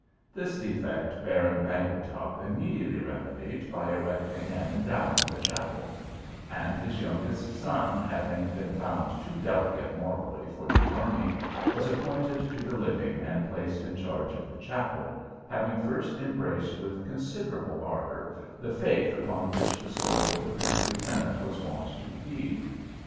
This defect Baron Bangletop immediately remedied by erecting and endowing the chapel; and his youngest son, having been found too delicate morally for the army, was appointed to the living and placed in charge of the chapel, having first embraced with considerable ardor the faith upon which the soul of the princely tenant was wont to feed.